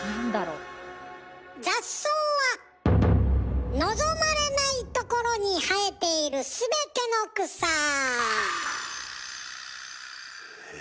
雑草は望まれないところに生えているすべての草。え？